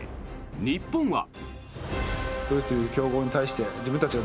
日本は。